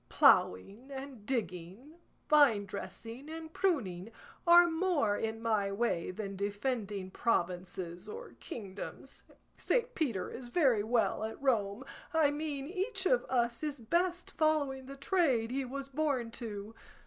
Ploughing and digging, vinedressing and pruning, are more in my way than defending provinces or kingdoms. Saint Peter is very well at Rome; I mean each of us is best following the trade he was born to.